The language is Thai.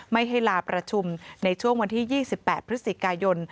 ไม่ให้ลาประชุมในช่วงวันที่๒๘พฤศจิกายน